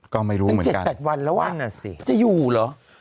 ก็ไม่รู้เหมือนกัน๗๘วันแล้วอ่ะจะอยู่หรอ